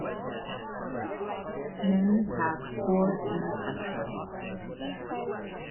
Many have poor infrastructure.